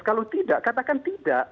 kalau tidak katakan tidak